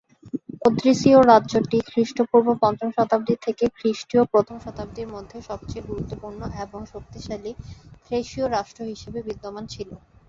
ওদ্রিসীয় রাজ্যটি খ্রিস্টপূর্ব পঞ্চম শতাব্দী থেকে খ্রিস্টীয় প্রথম শতাব্দীর মধ্যে সবচেয়ে গুরুত্বপূর্ণ এবং শক্তিশালী থ্রেশীয় রাষ্ট্র হিসাবে বিদ্যমান ছিল।